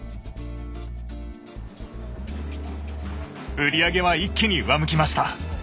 売り上げは一気に上向きました。